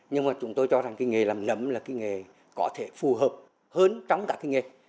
nhưng chúng tôi cho rằng nghề làm nấm là nghề có thể phù hợp hơn trong cả nghề